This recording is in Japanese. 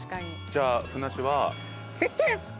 じゃあふなっしーは。